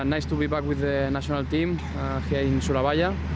senang untuk kembali dengan tim nasional di surabaya